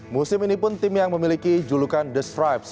musim ini pun tim yang memiliki julukan the stripes